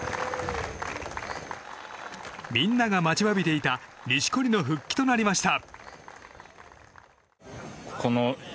みんなが待ちわびていた錦織の復帰となりました。